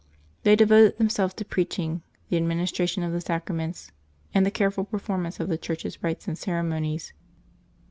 They de voted themselves to preaching, the administration of the sacraments, and the careful performance of the Church's rites and ceremonies.